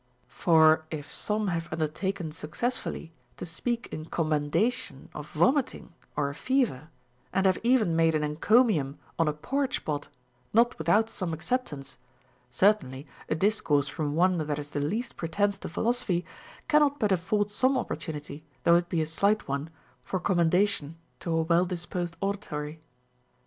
For if some have undertaken successfully to speak in commendation of vomiting or a fever, and have even made an encomium on a porridge pot not without some accept ance, certainly a discourse from one that has the least pre tence to philosophy cannot but afford some opportunity, though it be a slight one, for commendation to a well disposed auditory.